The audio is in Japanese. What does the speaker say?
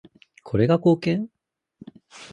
これが貢献？